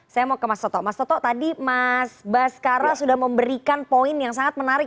saya mau ke mas toto mas toto tadi mas baskara sudah memberikan poin yang sangat menarik